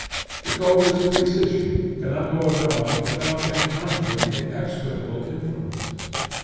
The coldest precisian cannot go abroad without encountering inexplicable influences.